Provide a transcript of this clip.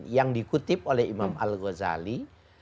yang dikutip oleh imam al ghazali